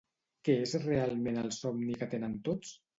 Què és realment el somni que tenen tots?